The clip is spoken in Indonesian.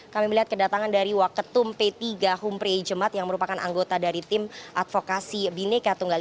kami melihat kedatangan dari waketum p tiga humpre jemat yang merupakan anggota dari tim advokasi bineca